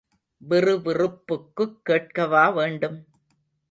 விறுவிறுப்புக்குக் கேட்கவா வேண்டும்?